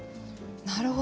なるほど。